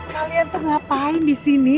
kalian tuh ngapain disini